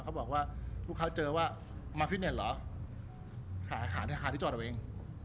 เขาบอกว่าลูกค้าเจอว่ามาฟิตเน็ตเหรอหาที่จอดเอาเอง